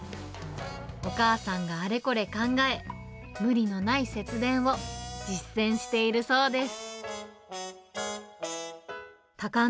お母さんがあれこれ考え、無理のない節電を実践しているそうです。